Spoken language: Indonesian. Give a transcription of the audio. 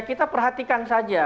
kita perhatikan saja